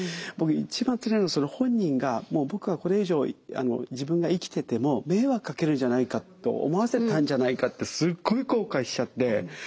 僕一番つらいの本人が僕はこれ以上自分が生きてても迷惑かけるんじゃないかと思わせたんじゃないかってすっごい後悔しちゃって。